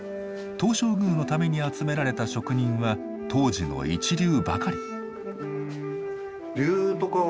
東照宮のために集められた職人は当時の一流ばかり。